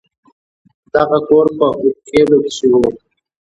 دغه کور په هود خيلو کښې و.